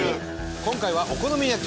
今回はお好み焼き。